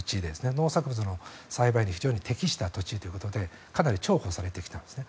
農作物の栽培に非常に適した土地ということでかなり重宝されてきたんですね。